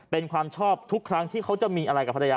เป็นความชอบทุกครั้งที่เขาจะมีอะไรกับภรรยา